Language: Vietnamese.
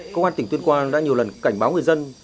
công an tỉnh tuyên quang đã nhiều lần cảnh báo người dân